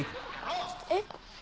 えっ？